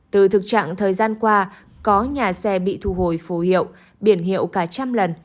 từ thực trạng thời gian qua có nhà xe bị thu hồi phù hiệu biển hiệu cả trăm lần